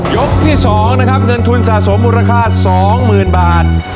ยกที่สองนะครับเงินทุนสะสมมูลค่าสองหมื่นบาท